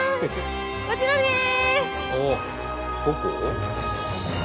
こちらです！